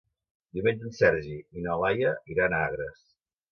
Diumenge en Sergi i na Laia iran a Agres.